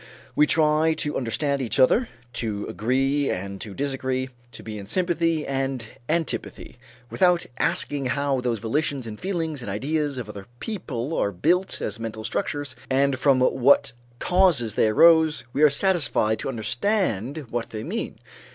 We try to understand each other, to agree and to disagree, to be in sympathy and antipathy, without asking how those volitions and feelings and ideas of other people are built as mental structures, and from what causes they arose; we are satisfied to understand what they mean.